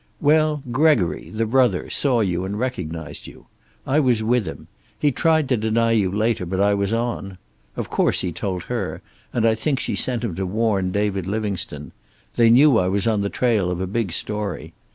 "Well, Gregory, the brother, saw you and recognized you. I was with him. He tried to deny you later, but I was on. Of course he told her, and I think she sent him to warn David Livingstone. They knew I was on the trail of a big story.